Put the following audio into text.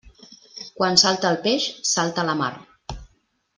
Quan salta el peix, salta la mar.